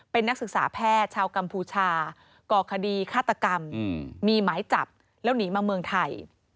เป็นนักศึกษาแพทย์ชาวกัมพูชาก่อคดีฆาตกรรมมีหมายจับแล้วหนีมาเมืองไทย